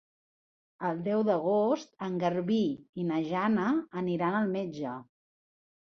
El deu d'agost en Garbí i na Jana aniran al metge.